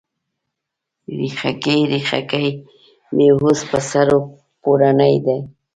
ریښکۍ، ریښکۍ مې اوس، په سر پوړني دی